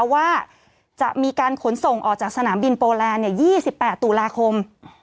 ว่าจะมีการขนส่งออกจากสนามบินโปแลนด์๒๘ตุลาคม